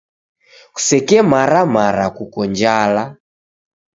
Kusekemara mara kuko njala.